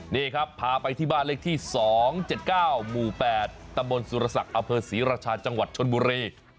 นี่ครับพาไปที่บ้านเลขที่๒๗๙หมู่๘ตำบลสุรศักดิ์อเภอศรีราชาจังหวัดชนบุรี